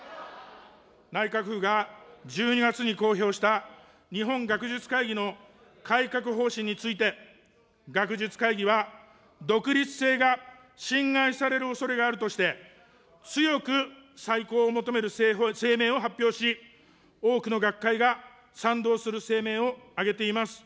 内閣府が１２月に公表した日本学術会議の改革方針について、学術会議は、独立性が侵害されるおそれがあるとして、強く再考を求める声明を発表し、多くの学会が賛同する声明を挙げています。